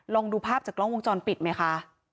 ดูภาพจากกล้องวงจรปิดไหมคะ